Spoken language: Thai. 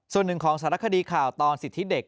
ส่วนหนึ่งของสารคดีข่าวตอนสิทธิเด็ก